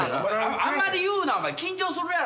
あんまり言うな、緊張するやろ。